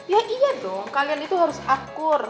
ya iya dong kalian itu harus akur